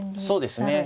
そうですね。